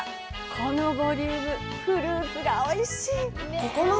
このボリューム、フルーツがおいしい！